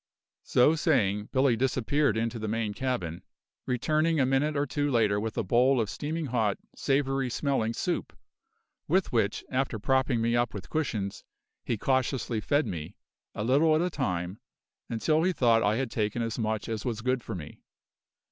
So saying, Billy disappeared into the main cabin, returning a minute or two later with a bowl of steaming hot, savoury smelling soup, with which, after propping me up with cushions, he cautiously fed me, a little at a time, until he thought I had taken as much as was good for me.